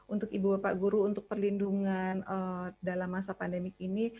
untuk ibu bapak guru untuk perlindungan dalam masa pandemi ini